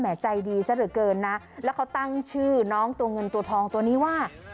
ใจดีซะเหลือเกินนะแล้วเขาตั้งชื่อน้องตัวเงินตัวทองตัวนี้ว่า